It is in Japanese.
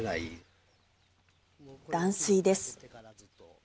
断水です。